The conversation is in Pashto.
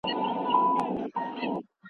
که ته انګلیسي زده کړي نو ډېر کتابونه به ولولې.